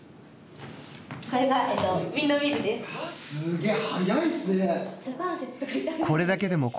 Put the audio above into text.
すげえ！